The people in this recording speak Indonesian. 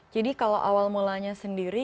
jadi kalau awal mulanya sendiri